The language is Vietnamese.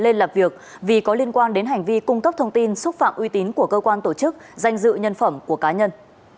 lên làm việc vì có liên quan đến hành vi cung cấp thông tin xúc phạm uy tín của cơ quan tổ chức danh dự nhân phẩm của cá nhân